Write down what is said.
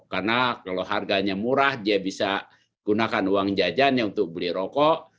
karena kalau harganya murah dia bisa gunakan uang jajannya untuk beli rokok